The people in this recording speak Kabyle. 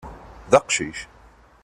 D aqcic.